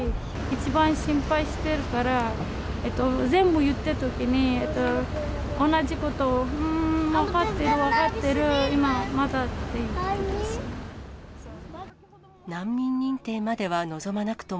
一番心配しているから、全部言ったときに、同じこと、ふーん、分かってる、分かってる、今はまだって。